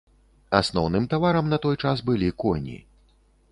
Асноўным таварам на той час былі коні.